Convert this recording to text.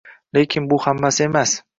Lekin bu hammasi emas